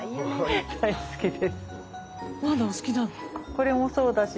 これもそうだし。